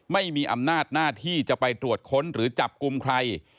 ไม่มีอำนาจหน้าที่จะไปตรวจค้นหรือจับกลุ่มใคร